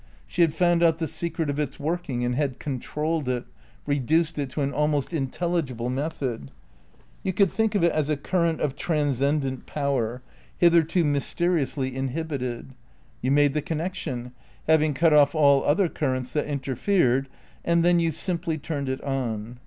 She had found out the secret of its working and had controlled it, reduced it to an almost intelligible method. You could think of it as a current of transcendent power, hitherto mysteriously inhibited. You made the connection, having cut off all other currents that interfered, and then you simply turned it on.